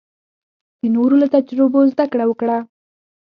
د نورو له تجربو زده کړه وکړه.